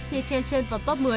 khi chen chân vào top một mươi